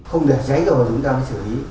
không để cháy rồi chúng ta mới xử lý